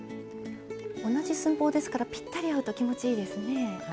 同じ寸法ですからぴったり合うと気持ちいいですね。